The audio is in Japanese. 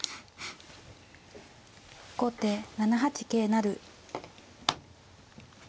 後手７八桂成。